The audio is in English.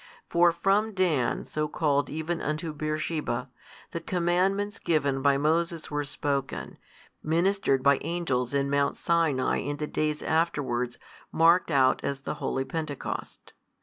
For from Dan so called even unto Beer sheba, the commandments given by Moses were spoken, ministered by Angels in Mount Sinai in the days afterwards marked out as the holy Pentecost.